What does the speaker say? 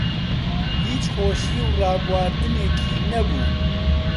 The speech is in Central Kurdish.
هیچ خۆشی و ڕابواردنێکی نەبوو